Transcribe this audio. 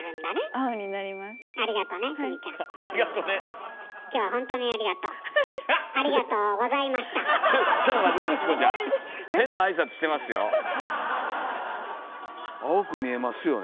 青く見えますよね。